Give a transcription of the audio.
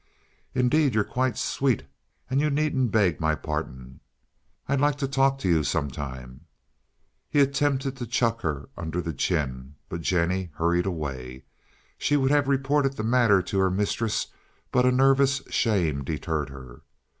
"Indeed, you're quite sweet. And you needn't beg my pardon. I'd like to talk to you some time." He attempted to chuck her under the chin, but Jennie hurried away. She would have reported the matter to her mistress but a nervous shame deterred her.